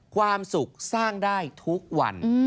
ความสุขสร้างได้ทุกวัน